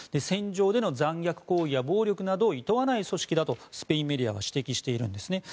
戦場での残虐行為や暴力などをいとわない組織だとスペインメディアは指摘しています。